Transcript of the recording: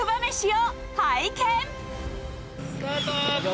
スタート。